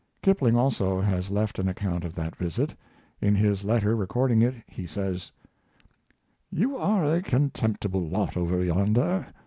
Kipling also has left an account of that visit. In his letter recording it he says: You are a contemptible lot over yonder.